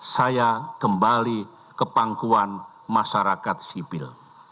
saya kembali ke pangkuan masyarakat sipil